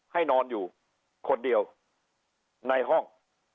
ให้นอนอยู่คนเดียวในห้อง